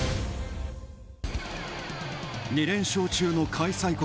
２連勝中の開催国